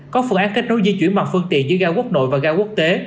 có phương án kết nối di chuyển mặt phương tiện giữa gai quốc nội và gai quốc tế